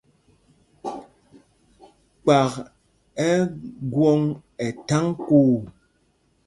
Kpak ɛ́ gwɔ̌ŋ ɛ tháŋ kuu.